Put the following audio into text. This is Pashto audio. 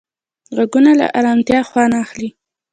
غوږونه له ارامتیا خوند اخلي